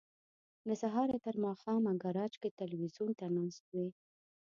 له سهاره تر ماښامه ګراج کې ټلویزیون ته ناست وي.